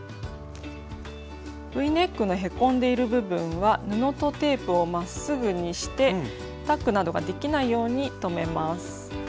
Ｖネックのへこんでいる部分は布とテープをまっすぐにしてタックなどができないように留めます。